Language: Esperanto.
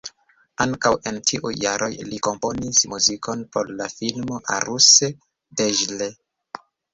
Ankaŭ en tiuj jaroj li komponis muzikon por la filmo Aruse Deĝle.